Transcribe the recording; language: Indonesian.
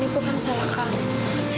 ini bukan salah kamu